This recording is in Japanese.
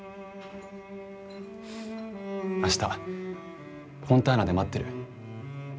明日フォンターナで待ってる。